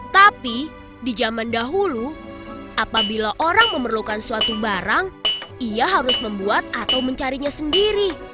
tapi di zaman dahulu apabila orang memerlukan suatu barang ia harus membuat atau mencarinya sendiri